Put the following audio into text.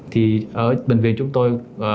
thì ở bệnh viện chúng tôi